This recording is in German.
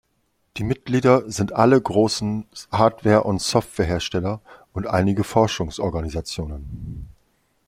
Die Mitglieder sind alle großen Hardware- und Softwarehersteller und einige Forschungsorganisationen.